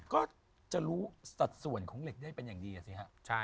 ก็จะรู้สัดส่วนของเหล็กได้เป็นอย่างดีอ่ะสิฮะ